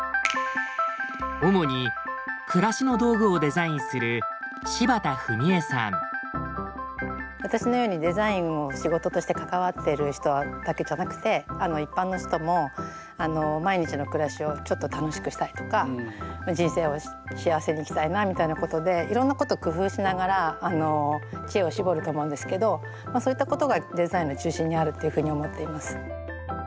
主に暮らしの道具をデザインする私のようにデザインを仕事として関わってる人だけじゃなくて一般の人も毎日の暮らしをちょっと楽しくしたいとか人生を幸せに生きたいなみたいなことでいろんなことを工夫しながら知恵を絞ると思うんですけどそういったことがデザインの中心にあるっていうふうに思っています。